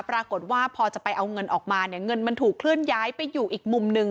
ปรากฏว่าพอจะไปเอาเงินออกมาเนี่ยเงินมันถูกเคลื่อนย้ายไปอยู่อีกมุมหนึ่ง